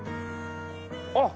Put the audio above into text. あっ！